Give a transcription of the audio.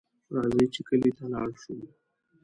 راځئ چې کلي ته لاړ شو